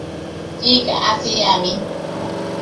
ঠিক আছি আমি!